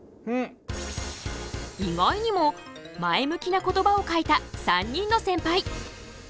意外にも前向きな言葉を書いた３人のセンパイ。